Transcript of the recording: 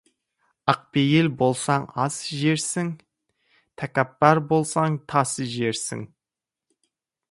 Ақпейіл болсаң, ас жерсің, тәкәппар болсаң, тас жерсің.